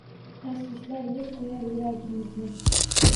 Tashvishlar yeb qo’yar yuragimizni